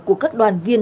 của các đoàn viên